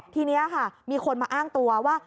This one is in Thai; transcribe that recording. ทีนี้ค่ะมีคนมาอ้างตัวว่า